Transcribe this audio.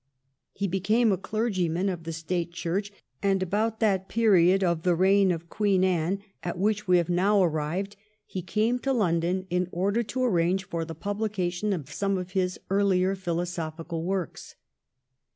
He became a clergyman of the State Church, and, about that period of the reign of Queen Anne at which we have now arrived, he came to London in order to arrange for the publication of some of his earlier philosophical works.